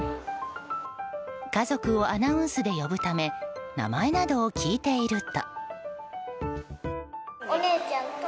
家族をアナウンスで呼ぶため名前などを聞いていると。